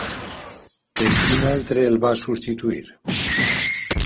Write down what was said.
Per quin altre el va substituir?